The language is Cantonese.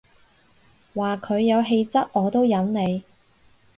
話佢有氣質我都忍你